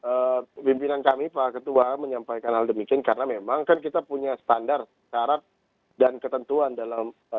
ya kita akan umumkan hari ini pimpinan kami pak ketua menyampaikan hal demikian karena memang kan kita punya standar syarat dan ketentuan dalam